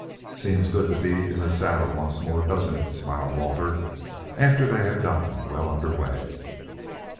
"Seems good to be in the saddle once more, doesn't it?" smiled Walter, after they had gotten well under way.